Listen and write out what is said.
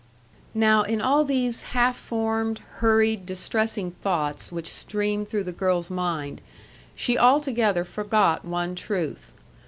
Now in all these half formed, hurried, distressing thoughts which streamed through the girl's mind, she altogether forgot one truth.